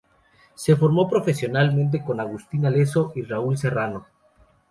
Se formó profesionalmente con Agustín Alezzo y Raúl Serrano.